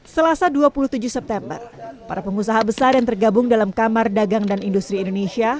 selasa dua puluh tujuh september para pengusaha besar yang tergabung dalam kamar dagang dan industri indonesia